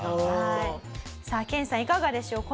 さあ研さんいかがでしょう？